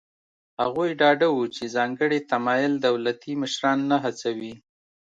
هغوی ډاډه وو چې ځانګړی تمایل دولتي مشران نه هڅوي.